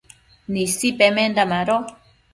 Nisi pemenda mado